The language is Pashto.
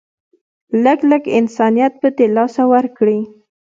لږ لږ انسانيت به د لاسه ورکړي